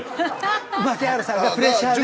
牧原さんがプレッシャーで？